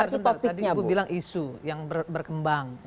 tadi ibu bilang isu yang berkembang